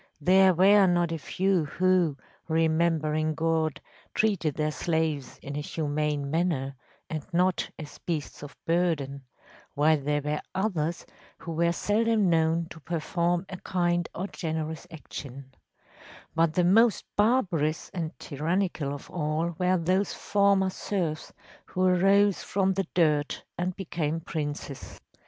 There were not a few who, remembering God, treated their slaves in a humane manner, and not as beasts of burden, while there were others who were seldom known to perform a kind or generous action; but the most barbarous and tyrannical of all were those former serfs who arose from the dirt and became princes.